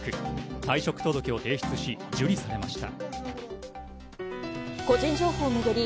退職届を提出し受理されました。